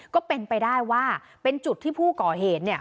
ก็เป็นไปได้ว่าเป็นจุดที่ผู้ก่อเหตุเนี่ย